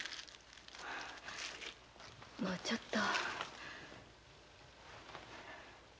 もうちょっと。